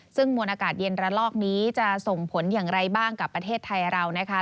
ซึ่งมวลอากาศเย็นระลอกนี้จะส่งผลอย่างไรบ้างกับประเทศไทยเรานะคะ